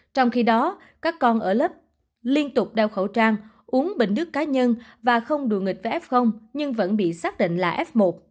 trong khi đó các con ở lớp liên tục đeo khẩu trang uống bình nước cá nhân và không đùa nghịch với f nhưng vẫn bị xác định là f một